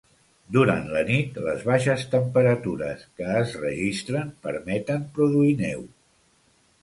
Durant la nit, les baixes temperatures que es registren permeten produir neu.